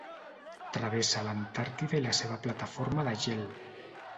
Travessa l'Antàrtida i la seva plataforma de gel.